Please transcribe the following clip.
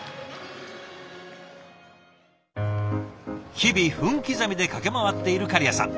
日々分刻みで駆け回っている狩屋さん。